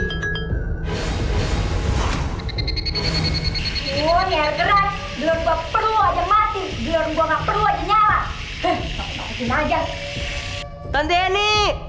ini kan nomer tante yeni